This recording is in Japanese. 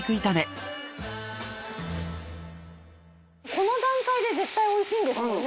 この段階で絶対美味しいんですよね。